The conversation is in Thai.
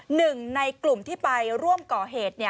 หนึ่งในกลุ่มที่ไปร่วมก่อเหตุ